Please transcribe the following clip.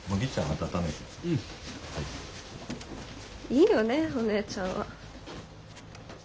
いいよねお姉ちゃんは。